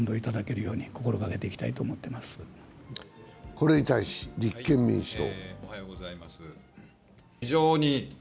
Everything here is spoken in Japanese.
これに対し立憲民主党。